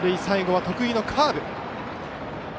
最後は得意のカーブ。